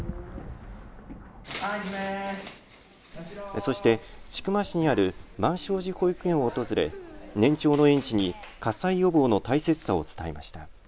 そして千曲市にある満照寺保育園を訪れ年長の園児に火災予防の大切さを伝えました。